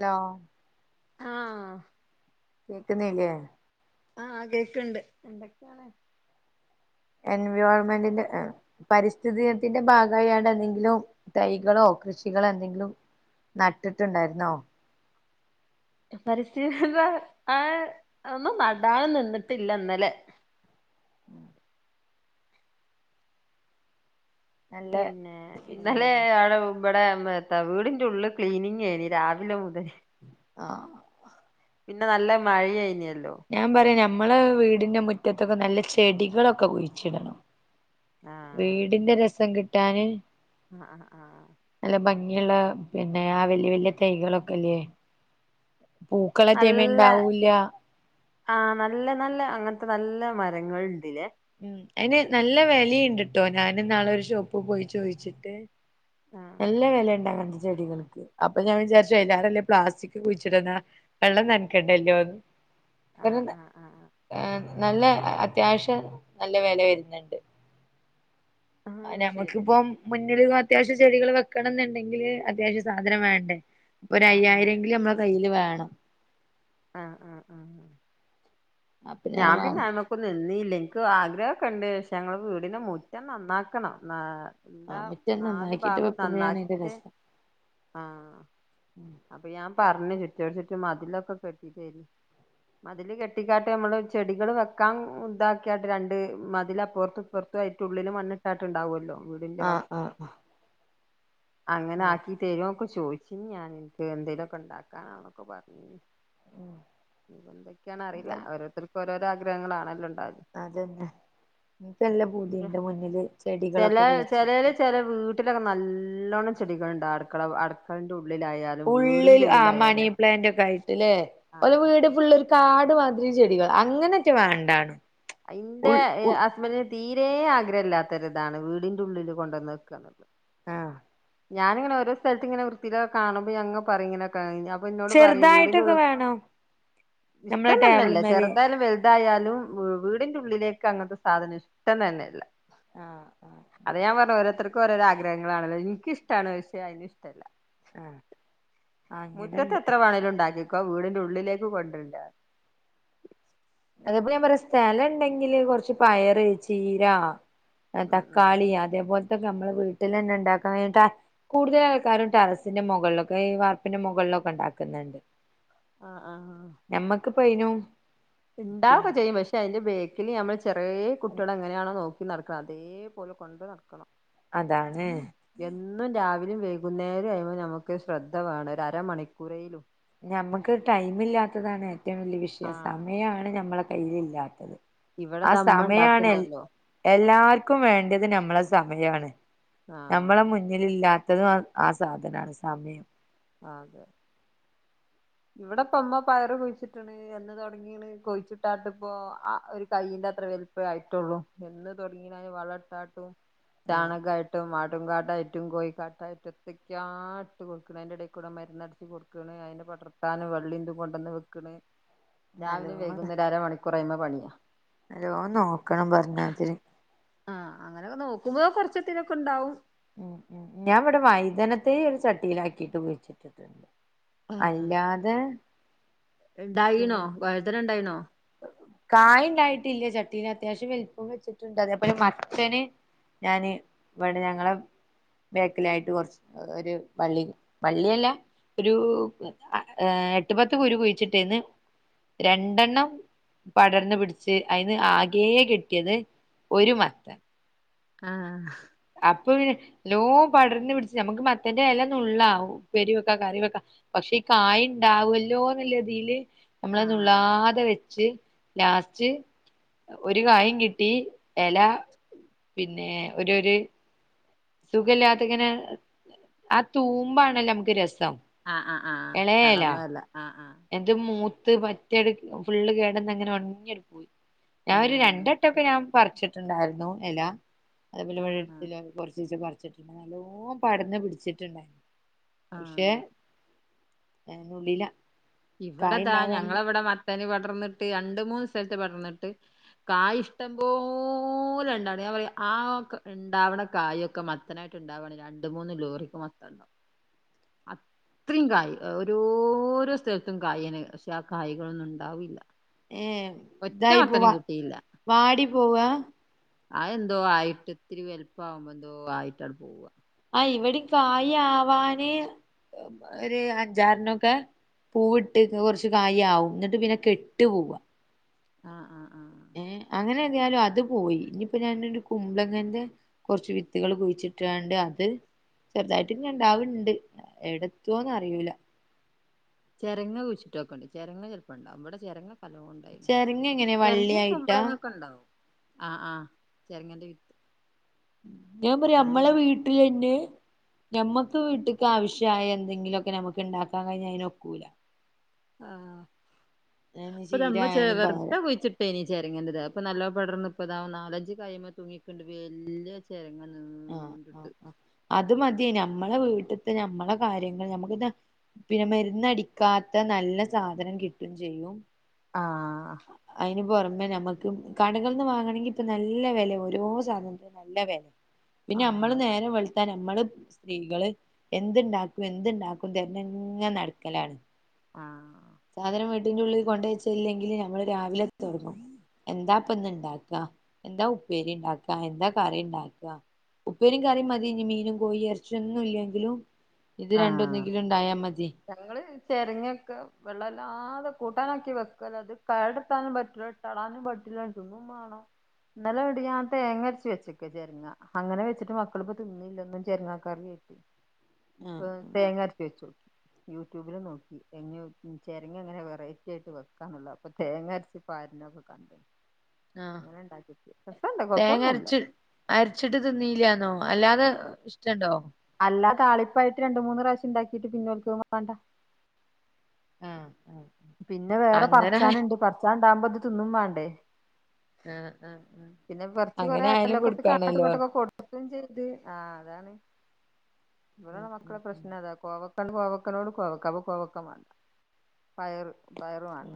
ല ആഹ് കേക്ക്ന്നില്ലേ ആഹ് കേക്ക്ണ്ട് എൻവോൾമെന്റിന്റെ പരിസ്ഥിതിത്തിന്റെ ഭാഗമായിടെ എന്തെങ്കിലും തൈകളോ കൃഷികളോ എന്തെങ്കിലും നട്ടിട്ടുണ്ടായിരുന്നോ പരിസ്ഥിതിന്ത ആ ഒന്നും നടാനൊന്നും നിന്നിട്ടില്ലന്നലെ ഉം നല്ല പിന്നെ പിന്നെ ഇന്നലെ [unintelligible] ഇവിടെ മ് ത്താ വീടിന്റെ ഉള്ള് ക്ലീനിങ്ങയ്നി രാവിലെ മുതൽ ആ പിന്നെ നല്ല മഴയായിനി ഞാൻ പറയ ഞാ മ്മള വീടിന്റെ മുറ്റത്തൊക്കെ നല്ല ചെടികളൊക്കെ കുഴിച്ചിടണം വീടിന്റെ രസം കി ട്ടാന് ആ ആ ആ ങ്കിള്ള പിന്നെ ആ വല്യ വല്യ തൈകളൊക്കെല്ലേ പൂക്കളെ ടൈമ നല്ല ഉണ്ടാവൂല്ല ആ നല്ല നല്ല അങ്ങനത്തെ നല്ല മരങ്ങൾ ണ്ട് ലെ ഉം അയിന് നല്ല വെലിണ്ട്ട്ടോ ഞാന്ന്നാളൊരു ഷോപ്പ് പോയി ചോയ്ച്ചിട്ട് ആഹ് നല്ല വില ണ്ടാർന്നു ചെടികൾക്ക് അപ്പൊ ഞാൻ വിചാരിച്ചു ഐലാറനല്ലെ പ്ലാസ്റ്റിക് കുഴിച്ചിട്ണ വെള്ളം നനക്കണ്ടല്ലോന്ന് ആഹ് പിന്നെന്താ ആഹ് ആഹ് ഏഹ് നല്ല അത്യാവശ്യം നല്ല വെല വരുന്നുണ്ട് ആഹ് ശരി നമുക്കിപ്പം അത്യാവശം ചെടികൾ വെക്കണംന്ന്ണ്ടെങ്കില് അത്യാവശ്യം സാധനം വേണ്ടേ ആഹ് ആഹ് ഇപ്പൊരയ്യായിരെങ്കിലും നമ്മളെ കയ്യില് വേണം [unintelligible] ആ ആ ആഹ് അപ്പൊ ഞാൻ പിന്നെ വാങ്ങും അത് മക്കൊന്നും നിന്നീല ൻക്ക് ആഗ്രഹൊക്കെണ്ട് പക്ഷെ ഞങ്ങളെ വീടിന്റെ മുറ്റം നന്നാക്കണം ആ എല്ലാ മുറ്റം നലു നന്നാക്കിട്ട് ഭാഗം വെക്കുമ്പോഴാണ് അതിന്റെ നന്നാക്കിട്ട് രസം ആ അപ്പൊ ഞാൻ പറഞ്ഞ് ചുറ്റോട് ചുറ്റും മതിലൊക്കെ കെട്ടിതരി മതില് കെട്ടിക്കാട്ട് നമ്മള് ചെടികള് വെക്കാൻ ഇതാക്ക്യാട്ട് രണ്ട് മതിൽ അപ്പുറത്തും ഇപ്പുറത്ത ആയിട്ട് ഉള്ളിൽ മണ്ണിട്ടാട്ട് ഉണ്ടാവൊല്ലോ ആ ആ ആഹ് അങ്ങനെ ആഹ് ആക്കി [unintelligible] ചോദിച്ചിനി [unintelligible] എന്തെേലൊക്കെ ണ്ടാക്കാനാണൊക്കെ പറഞ് ഉം ഇത് എന്തൊക്കെയണ അത അറിയില്ല ഓരോരുത്തർ - - ഓരോരോ ആഗ്രഹങ്ങളാണല്ലോ [unintelligible] അതന്നെ ഇൻക്ക് നല്ല പൂതിണ്ട് മുന്നിൽ ചില ചെടികളൊക്കെ ചിലൽ കുഴിച്ചിട്ട് ചില വീട്ടിലൊക്കെ നല്ലോണ്ണം ചെടികളുണ്ട് അടുക്കള അടുക്കളന്റെ ഉള്ളിലാ ഉള്ളിൽ ആ മണി പ്ലാന്റ് ഒക്കെ ആയിട്ടില്ലേ ഒരു ആഹ് വീട് ഫുള്ള് കാട് മതിരി ചെടികൾ അങ്ങനെയൊക്കെ വേണ്ടാ എന്റെ ഹസ്ബന്റ് തീരെ ആഗ്രഹം ഇല്ലാത്തൊരിതാണ് വീടിൻറെ ഉള്ളില് കൊണ്ടുവന്ന് വെക്കുക ഞാന്ങ്ങനെ ഓരോ സ്ഥലത്ത് ഇങ്ങന വൃത്തിക്ക കാണുമ്പോ ഞാൻ അങ് പറയും ഇങ്ങനെക്കെ ആണേലും ന്നോട് പറയും ചെറുതായിട്ടൊക്കെ വീടിനുള്ളു വേണം നമ്മളെ ഇഷ്ടം തന്നെല്ലേ ടേബിൾമല് ചെറുതായാലും വലു ഏതായാലും വീടിന്റെ ഉള്ളിലേക്ക് അങ്ങനത്തെ സാധനം ഇഷ്ടം തന്നെല്ല ആഹ് ആഹ് അത ഞാൻ പറഞ്ഞ ഒരൊർത്തർ ക്കൊരോരേ ആഗ്രഹങ്ങളാണല്ലോ ഇ ഇഷ്ടമാണ് പക്ഷെ അ ഇഷ്ടല്ല ആഹ് മുറ്റത്ത് അങ്ങനെണ്ട് എത്ര വേണേലും ഉണ്ടാക്കി ക്കെ വീടിന്റെ ഉള്ളിലേക്ക് കൊണ്ടരണ്ടാ അതേപലെ ഞാൻ പറഞ്ഞു സ്ഥലം ഉണ്ടെങ്കില് കുറച്ച് പയറ് ചീരാ ആ ഉം തക്കാളി ഉം അതേപോലെ നമ്മള് വീട്ടിൽ തന്നെ ഉണ്ടാക്കാ ക കൂടുതൽ ആൾക്കാരും ടെറസിന്റെ മുകളിലൊക്കെ ഈ വാർപ്പിന്റെ മുകളിലൊക്കെ ഉണ്ടാക്കുന്നുണ്ട് ആഹ് ആഹ് [unintelligible] ഇണ്ടാവക്കെ പിന്നെ ചെയ്യും പക്ഷെ അതിന്റെ ബേ [unintelligible] ചെറിയ കുട്ടികളെ എങ്ങനെയാണോ നോക്ക് നടക്കണം അതേപോലെ കൊണ്ട് നടക്കണം അതാണ് എന്നും രാവി വൈകുന്നേരം ആയുമ്പോൾ നമുക്ക് ശ്രദ്ധേ ഒരു അരമണിക്കൂറേലും ഞമ്മക്ക് ടൈമില്ലാത്തതാണ് ഏ ഏറ്റവും വലിയ വിഷയം ആഹ് സമയമാണ് ഞമ്മടെ കയ്യില് ഇല്ലാത്തത് ആ ഇവിടെതാ അമ്മ സമയമാണ് എ ഉണ്ടാക്ക്ണ്ടല്ലോ എല്ലാർക്കും ക്കും വേണ്ടത് നമ്മളെ സമയമാണ് നമ്മളെ ആഹ് മുന്നിലില്ലാ ഇതും ആ സാധനാണ് സമയം അതെ ഇവിടെപ്പ അമ്മ പയറ് കുഴിച്ചിട്ടണ് എന്ന് തുടങ്ങീണ് കോഴിച്ചിട്ടാട്ട് ഇപ്പോ ആ ഒരു കയ്യിന്റെ അത്ര വലുപ്പ ആയിട്ടുള്ളൂ എന്ന് തുടങ്ങീ വള ഇട്ടാ ആഹ് ചാണകായിട്ടും മാ ആട്ടു കാട്ടായിട്ടും കോഴി ക്കാട്ടായിട്ടൊത്തൊക്ക ആട്ട് കൊടുക്ക അതിന്റെ ഇടയ്ക്ക് കൂടെ മരന്ന്ടച്ച് കൊടുക്കണ് അതിന്റെ പടർ താനും വള്ളീന്ത കൊണ്ടുവന്ന് വെക്കണ് രാവിലെ നല്ലോണം വൈകുന്നെരം അര മണിക്കൂ കുറെ അയ്മ പണിയാ നല്ലോണം നോക്കണം പറഞ്ഞാതിരി ആഹ് അങ്ങനൊക്കെ നോക്കുമ്പോ കൊറച്ചത്തിനൊക്കെ ഉണ്ടാവും ഉ ഉ ഞാൻവിടെ വൈതനത്തെയ് ഒരു ചട്ടിയിലാക്കിയിട്ട് കുയിച്ചിട്ടിട്ടുണ്ട് അല്ലാതെ ഉണ്ടായീണോ വഴ്തന ഉണ്ടായിണോ കായ്ണ്ടായിട്ടില്ല ചട്ടീല് അത്യാവശ്യം വലുപ്പം വെച്ചിട്ടുണ്ട് അതേപോലെ മത്തന് ഞാന് ഇവിടെ ഞങ്ങളെ ബേക്കിലായിട്ട് കൊറച്ച് ഒരു വള്ളി വള്ളിയല്ല ഒരു ഏ എട്ട് പത്ത് കുരു കുഴിച്ചിട്ടേന്ന് രണ്ടെണ്ണം പടർന്ന് പിടിച്ച് അതിന് ആകേ കിട്ടിയത് ഒരു മത്തൻ ആഹ അപ്പൊ പിന്നെ നല്ലോ പടർന്ന് പിടിച്ച നമുക്ക് മത്തൻന്റെ ഇലന്നുള്ളാ ഉപ്പേരി വെക്കാ കറി വെക്കാം പക്ഷേ ഈ കായ ഉണ്ടാവുല്ലോ ള്ള തീല് ആഹ് നമ്മളന്ന്ള്ളാതെ വെച്ച് ലാസ്റ്റ് ഒരു കായം കിട്ടി ഇല പിന്നെ ഒരു ഒരു സുഖല്ലാത ഇങ്ങനെ ആ തൂമ്പാണല്ലോ നമുക്ക് രസം ആഹ് ആഹ് ആഹ്എളമ എല ആഹ് ആഹ് എന്റെ മൂത്ത് പറ്റ എടു ഫുള്ള് കേടന്ന് അങ്ങനെ ഒണങ്യട് പോയി ഞ ഒരു ആഹ് രണ്ടട്ടക്കെ ഞാൻ പറിച്ചട് ണ്ടായിരുന്നു എല ആഹ് ആഹ് [unintelligible] നല്ലോ പടന്ന് പിടിച്ചിട്ടുണ്ടായി ആഹ് അയിന്റുള്ളില ഇവടെതാ ഞങ്ങളവിടെ മത്തനിപ പടർന്നിട്ട് യണ്ട് മൂന്ന് സ്ഥലത്ത് പടർന്നിട്ട് കായ് ഇഷ്ടംപോലെ ണ്ടാവണ് ഞാൻ പറയാ ആകൊ ണ്ടാവണ കായൊക്കെ മത്തനായിട്ട് ണ്ടാവാണേ രണ്ട് മൂന്ന് ലോറിക്കും മത്തംണ്ടാവ അത്രിമ് കായ് ഓരോരോ സ്ഥലത്ത തും കായെന്ന ക്ഷേ ആ കായകളൊന്നും ണ്ടാവില്ല ഏ ഇതായി പ്പോവ വാടി പോവ അഹ് എന്തോ ആയിട്ട് ത്തിരി വല്പ്പ ആഉമ്പൊ എന്തോ ആയിട്ടട് പോവാ ആ ഇവിടിം കായ ആവാന് ഒരു അഞ്ചാറിനൊക്കെ പൂ ഇട്ട് കുറച്ച് കായ് ആവും എന്നട്ട് പിന്നെ കെട്ട്പോവ ആ ആ ആ ഏ അങ്ങനെ തായാലും അത് പോയി ഇനിയിപ്പോ ഞാൻ ഒരു കുമ്പ്ളങ്ങന്റെ കൊറച്ച് വിത്തുകൾ കുഴിച്ചിട്ടാണ്ട് അത് ചെറുതായിട്ട് ഇങ്ങ ണ്ടാവണ്ട് എടത്തോന്ന അറിയിൂല ചിരങ്ങ കുഴിച്ചിട്ടൊക്കെണ്ടി ചിരങ്ങ ചെൽപ്പം ണ്ടാവും ഇവടെ ചരങ ണ്ട് ചെര്ങ്ങ എങ്ങനെ വള്ളിയായിട്ടാ ആ ആ ചെര്ങ്ങൻന്റെ വിത്ത് ഞാൻ പറയാ വള്ളിയ നമ്മളെ വീട്ടിലെന്നെ ഞമ്മക്ക് വീട്ട്ക്ക് ആവശ്യായ എന്തെങ്കിലുക്കെ നമ്മുക്ക് ഇണ്ടാക്കാൻ കഴിഞ്ഞയിനൊക്കൂല ആഹ് ചീര പതമ്മ ചെ ആയാലും പയറ് വെറുത കുയിച്ചിട്ടേനി ചിരങ്ങേന്റത് അപ്പൊ നല്ലൊ പടർന്ന് ഇപ്പതാ നാലഞ്ച് കായ് അയിമെ തൂങ്ങിക്ണ്ട് വല്യ ചെരങ്ങന്ന് ആഹ് ആ് ആ് അത് മതിയേ നമ്മളെ വീട്ടത്തെ നഞമ്മളെ കാര്യങ്ങൾ നമ്മുക്ക് ദ പിന്നെ മരുന്നടിക്കാത്ത നല്ല സാധനം കിട്ടും ചെയ്യും ആഹ് ഇ പുറമെ നമ്മക്ക് കടകൽന്ന് വാങ്ങണെങ്കി ഇപ്പൊ നല്ല വില ഓരോ സാധനത്തിും നല്ല വില പിന്നെ നമ്മള് ആഹ് നേരെ വെള് ത നമ്മള് സ്ത്രീകള് എന്ത്ണ്ടാക്കും എന്തുണ്ടാക്കും തെരഞ്ഞെങ്ങെ നടക്കലാണ് ആഹ് സാധാനം വീട്ടിന്നുള്ളിൽ കൊണ്ടയ്ച്ചില്ലെങ്കില് ഞമ്മള് രാവിലെ തുടങ്ങും എന്താ പന്ന് ണ്ടാക്ക എന്താ ഉപ്പേരി ണ്ടാക്ക എന്താ കറി ണ്ടാക്ക ഉപ്പേരിയും കറിയും മതിഞ്ഞ് മീനും കോഴി ഇറച്ചിയൊന്നും ഇല്ലെങ്കിലും ഇത് ആഹ് രണ്ടൊന്നെങ്കിലും ഉണ്ടായാ മതി ഞങ്ങള് ചെരങ്ങൊക്കെ വെള്ളംമല്ലാതെ കൂട്ടാനാക്കി വെക്കല്ല അത് കേടത്താനും പറ്റില്ല ഇട്ടളാനും പറ്റില്ല ത് ന്നും വേണം ഇന്നലെടി ഞാൻ തേങ്ങര്ച് വെച്ചക്ക ചെരങ്ങ അങ്ങനെ വെച്ചിട്ട് മക്കളി പ്പ തിന്നിയില്ല ന്നും ചെരങ്ങക്കാറിയേറ്റ് ആഹ് പ് ആഹ് തേങ്ങ അര്ചി വെച്ചോ യൂട്യൂബില് നോക്കി എങ്ങ ചേരങ്ങ അങ്ങനെ വെറൈറ്റി ആയിട്ട് വെക്കാന്നുള്ളൂ അപ്പൊ തേങ്ങ അരച്ചിപ്പ പാരനൊക്കെ കണ്ടു ആഹ കൊഴപ്പൊന്നുല്ല തേങ്ങരച്ച അരച്ചിട്ട് തിന്നീലാന്നോങ്ങ അല്ലാതെ ഇഷ്ടുണ്ടോ അല്ലാ താളിപ്പായിട്ട് രണ്ട് മൂന്ന് പ്രാവശ്യം ഇണ്ടാക്കിട്ട് പിന്നോൽക്കത് വേണ്ട ആഹ് ആഹ് പിന്നെ വേറെ അങ്ങനെ ആഹ് പറച്ചാനുണ്ട് പറച്ചാൻ സാമ്പത് തിന്നും വേണ്ടേ ആഹ് ആഹ് പിന്നെ കുറച്ച് കൊറ അങ്ങനെ ആയാലും അയലൊക്കെ കൊടുക്കാണല്ലോ കാട്ടുകോട്ടൊക്കെ കൊടുക്കയും ചെയ്ത് ആ അതാണ് ഉം ഇലാണ് ഉം മക്കളെ പ്രശ്ന ഉം അതാ കോവ പ്പ കോവക്കനോട് കോവക്കാവ കോവെക്കമാണ്ട പയർ പയറ് വാണ്ട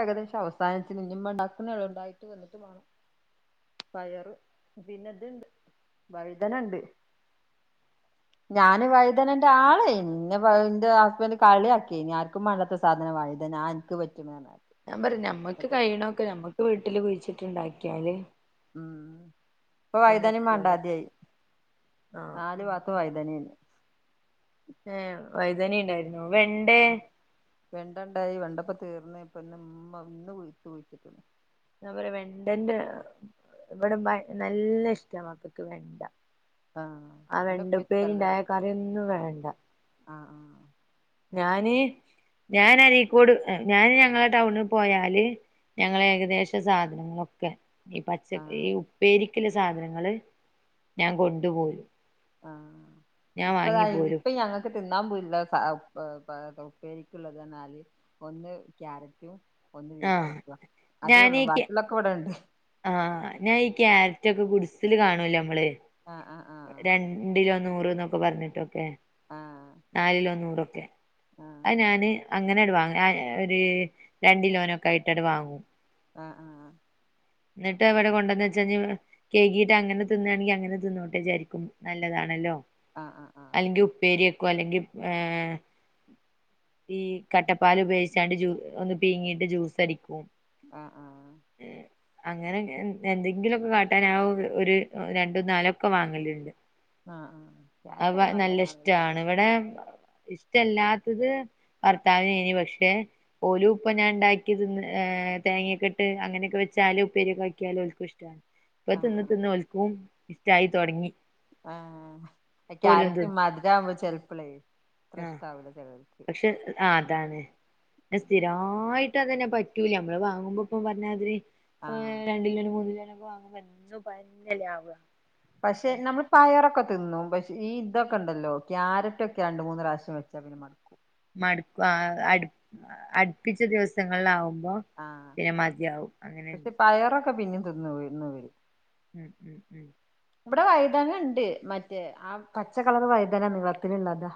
ഏകദേശം അവസാനിച്ച ഇ മണ്ടാക്കുന്ന ഉണ്ടായിട്ട് വന്നിട്ട്വാണം പയറ് പിന്നെണ്ട് വൈദനുണ്ട് ഞാന് വൈതനന്റെ ആളെ നിന്നെന്റെ ഹസ്ബൻഡ് കളി ആക്കി ആർക്കും മണ്ടത്തെ സാധനം ആത ഞാ എനിക്ക് പറ്റും ഞാൻ പറ നമ്മുക്ക് കഴിയണൊക്കെ നമുക്ക് വീട്ടിൽ കു വച്ചിട്ടുണ്ടാക്കിയാല് ഉം ഇപ്പൊ വൈതാനം വേണ്ടാദ്യായി ആഹ് നാല് ഭാഗതും വൈതാനേന് ഏ വൈതാന ഉണ്ടായിുന്ന വെണ്ടേ വെണ്ടണ്ടായി വെണ്ടപ്പ തീർന്ന് ഇപ്പ ഇ ഉമ്മ ഇന്ന് കുിച്ചിട്ടന്ന് ഞാൻ പറയാ വെണ്ടന്റെ ഇവിടെ നല്ല ഇഷ്ട മക്കൾക്ക് വെണ്ട ആഹ് ആ വണ്ട വെണ്ടപ്പേരി സല്ലഡ് പേര്ണ്ടായ കറിയൊന്നും വേണ്ട ആഹ് ആഹ് ഞാന് ഞൻ അരക്കോട് ഞാന് ഞങ്ങളെ ടൗണിൽ പോയാല് ഞങ്ങള ഏകദേശ സാധനങ്ങളൊക്കെ ഈ പച്ചഈ ആഹ് ഉപ്പേരി സാധനങ്ങള്ൾ ഞാൻ കൊണ്ടപോരും ആഹ ഇപ്പതാ ഇപ്പ ഞ അങ്ങക്ക് തിന്നാൻ പോയില്ല ഉപ്പേരിക്കുള്ളതിനാല് ഒന്ന് ക്യാരറ്റും ഒന്ന് ആഹ് വീട്ടക്ക അതേ ഉള്ളൂ ബാക്കിലൊക്കെ ഇവിടെണ്ട് ആ ഞാൻ ഈ ക്യാരറ്റ് ഒക്കെ ഗുഡ്‌സിൽ കാണുവല്ലേ നമ്മള് ആഹ് ആഹ് ആഹ് രണ്ടിലൊന്ന് നൂറ്ന്നൊക്കെ പറഞ്ഞിട്ടൊക്കെ ആഹ് നാല്കിലോ നൂറൊക റ്റെ ആഹ് അത് ഞാന് അങ്ങനെട് വാങ്ങ ഒരു രണ്ട് കിലോനൊക്കെ ആയിട്ടവാങ്ങും ആ ആ ആഹ് എന്നിട്ട് അവിടെ കൊണ്ടന്ന് വെച്ച് കഴിക്കിട്ട് അങ്ങനെ തിന്നയാണെങ്കിൽ അങ്ങനെ തിന്നോട്ടെ വിചാരിക്കും നല്ലതാണല്ലോ. ആ ആ ആ ക്കും അല്ലെങ്കിൽ ഈ കട്ടപ്പാല് ഉപയോഗിച്ചാണ്ട് ഒന്ന് പീങ്ങിയിട്ട് ജ്യൂസ് അടിക്കും ആ ആ അങ്ങനെ എന്തെങ്കിലുമൊക്കെ കാട്ടാൻ ആ ഒരു രണ്ടും നാലൊക്കെ വാങ്ങലുണ്ട്. ആഹ് ആഹ് ആഹ് അ ക്യാരറ്റൊക്കെ നല്ല നല്ലതാണല്ലോ ഇഷ്ടമാണ് ഇവിടെ ഇഷ്ടല്ലാത്തത് ഭർത്താവിനാനി പക്ഷെ ഓലും ഉപ്പം ഞാൻ ഉണ്ടാക്കിതിന്ന് തേങ്ങയെക്കെയിട്ട് അങ്ങനെയൊക്കെ വെ- ചാലും ഉപ്പേരി ഒണ്ടാക്കിയാലും ഓലക്കും ഇഷ്ടണ്. ഇപ്പ ആഹ് തിന്ന് ആഹ് തിന്ന് ഓൽക്കും ഇഷ്ടായി തൊടങ്ങി. ആ ക്യാരറ്റ് മധുരാവുമ്പോ ചിലപ്പളെ ആഹ് അത്രഷ്ടാവില്ല ചെലർക്ക്. പക്ഷെ ആ അതാണ് ന്നെ സ്ഥിരമായിട്ട് ട്ടങ്ങനെ പറ്റൂല നമ്മള് വാങ്ങുമ്പോ ഇപ്പ പറഞ്ഞാതിന് ആഹ് രണ്ട് കിലോനെ മൂന്ന് കിലോനെ വാങ്ങുമ്പം എന്നും പന്നയല്ലേ ആവുക പക്ഷെ നമ്മള് പയറൊക്കെ തിന്നും പക്ഷെ ഈ ഇതൊക്കെ ഉണ്ടല്ലോ ക്യാരറ്റ് ഒക്കെ രണ്ട് മൂന്ന് പ്രാവശ്യം വെച്ചാ പിന്നെ മടക്കും. മടുക്കും അടു അടുപ്പിച്ച ദിവസങ്ങളിലാവുമ്പം. ആഹ് മ്പം പിന്നെ മതിയാവും അങ്ങനെണ്ട്. ക്കെ പിന്നെ തിന്നു ന്നു വരും. ഉം ഉം ഉം ഇവിടെ വഴുതന ഉണ്ട് മറ്റേ ആ പച്ചക്കളർ വഴുതന നിളത്തിലുള്ളതാ.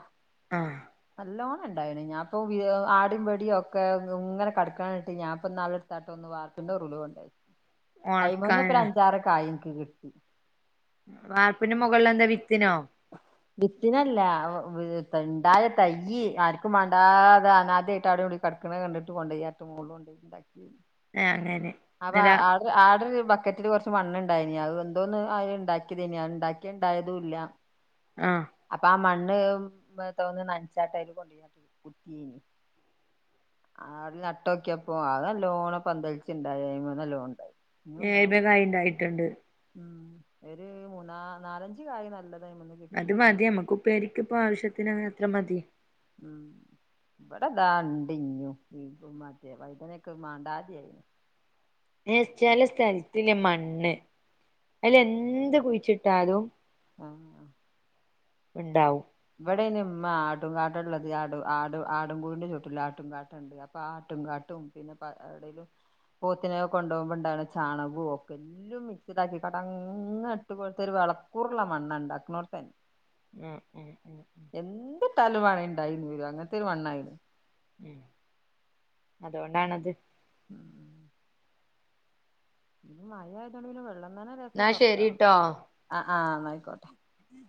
ആഹ് നല്ലോ ഉണ്ടായിണ് ഞാപ്പോ ആടും വടിയും ഒക്കെ ഇങ്ങനെ കടക്കാനിട്ട് ഞാൻ ഇപ്പ നാളെടുത്തായിട്ട് ഒന്ന് വാർത്തിൻ്റെ ഒരുവുണ്ടായി. അയിമേന്ന് ഇപ്പം ഒണക്കാനാ ഓറഞ്ചാറ് കായി നിക്ക് കിട്ടി. വാർപ്പിന് മുകളില എന്താ വി ത്തിനോ വിത്തിനല്ല വ് ഉണ്ടായ തൈയ്യ് ആർക്കും മേണ്ടാതെ അനാദയായിട്ട് അവിടെ ഇവിടേം കടക്കണ കണ്ടിട്ട് കൊണ്ട ഏറ്റ മോളില് കൊണ്ടോയി ണ്ടാക്കി ഏഹ് അങ്ങനെ അപ്പ എന്നതാ ആഡ ആഡർ ബക്കറ്റില് കുറച്ച് മണ്ണണ്ടായിനി അത് എന്തോന്ന് അ ഉണ്ടാക്കിയത് നേ ഉണ്ടാക്കി ഉണ്ടായതും ഇല്ല. ആഹ് അപ്പ ആ മണ്ണ് തോന്ന നച്ചാട്ട അതില് കൊണ്ടട്ട് കുതീനി ആ നട്ടൊക്കിയപ്പോ അത് നല്ലോണ പന്തലിച്ചണ്ടയി അതിന്മേൽ നല്ലോണണ്ടായി. ഏത്കായ ഉണ്ടായിട്ടുണ്ട്. ഉം ഒരു മൂന്ന നാലഞ്ച് കായ നല്ലത് അയിമന്ന് കിട്ടി അത് മതി ഇഞ്ഞും നമ്മക്ക് ഉപ്പേരിക്ക് ഇപ്പ ആവശ്യത്തിന് അത്ര മതി ഉം ഇവിടെതാണ്ട ഇഞ്ഞു മത വൈതനൊക്കെ മണ്ടാ ആദ്യായിന് ലെമണ്ണ് അതിൽ എന്ത് കുഴിച്ചിട്ടാലും ആഹ് ഉണ്ടാവും എവിടെേനും ആട്ടും കാാട്ട ഉള്ളത് ആട ആടും ആടുംകൂടിറെ ചൂട്ടില ആട്ടും കാാട്ടുണ്ട് അപ്പൊ ആട്ടും കാാട്ടും പിന്നെ എവിടേലും പോത്തിനെക്കെ കൊണ്ടുപോകുമ്പോ ഇണ്ടുന്ന ചാണകവും ഒക്കെ എല്ലാം മിക്സിഡ ആാക്കി കടങ്ങ ഇട്ട് പോലത്തെ ഒരു വിളക്കൂറുള്ള മണ്ണ ഉണ്ടാക്കുന്നോർത്തന്നെ ഉ ഉം ഉ എന്ത് തലുവാണ ഉണ്ടായിന്ന് വര അങ്ങനത്തെ ഒരു മണ്ണായിന് ഉം അതുകൊണ്ടാണത് പിന്നെ മഴ ആയതോണ്ടെങ്കിലെ വെള്ളം എന്ന ശരിട്ടോ ആഹ് എന്നആയിക്കോട്ടെ ഉം